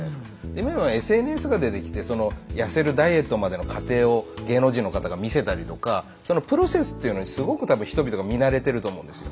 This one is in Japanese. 今はＳＮＳが出てきてその痩せるダイエットまでの過程を芸能人の方が見せたりとかそのプロセスというのにすごく多分人々が見慣れてると思うんですよ。